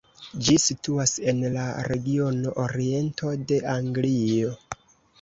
Ĝi situas en la regiono Oriento de Anglio.